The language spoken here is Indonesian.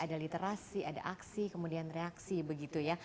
ada literasi ada aksi kemudian reaksi begitu ya